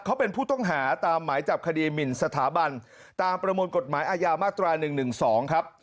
เขาเป็นผู้ต้องหาตามหมายจับคดีหมินสถาบันตามประมวลกฎหมายอาญามาตรา๑๑๒ครับ